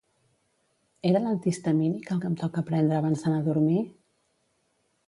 Era l'antihistamínic el que em toca prendre abans d'anar a dormir?